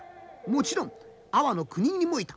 もちろん安房国にもいた。